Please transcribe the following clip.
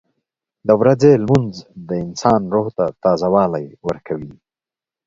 • د ورځې لمونځ د انسان روح ته تازهوالی ورکوي.